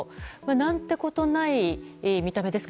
何てことない見た目です